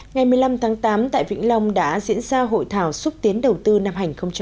ngày một mươi năm tháng tám tại vĩnh long đã diễn ra hội thảo xúc tiến đầu tư năm hai nghìn một mươi chín